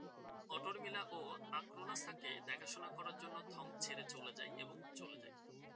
অটর মিলা ও আকরোনাসকে দেখাশোনা করার জন্য থং ছেড়ে চলে যায় এবং চলে যায়।